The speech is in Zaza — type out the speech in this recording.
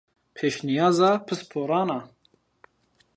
Pêşnîyaza pisporan a